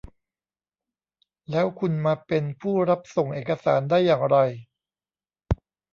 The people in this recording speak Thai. แล้วคุณมาเป็นผู้รับส่งเอกสารได้อย่างไร